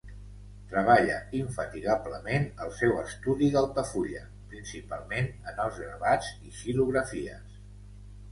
Treballa infatigablement al seu estudi d'Altafulla, principalment en els gravats i xilografies.